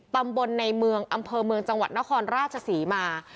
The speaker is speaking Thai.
ตำบลในเมืองอำเภอเมืองจังหวัดนครราชศรีมา